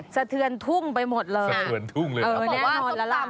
เสถือนทุ่งไปหมดเลยอ๋อแน่นอนแล้วล่ะ